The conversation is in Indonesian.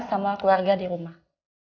sama keluarga di rumah